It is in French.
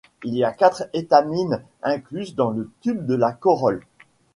Il y a quatre étamines incluses dans le tube de la corolle.